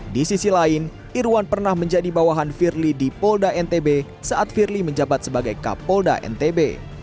di sisi lain irwan pernah menjadi bawahan firly di polda ntb saat firly menjabat sebagai kapolda ntb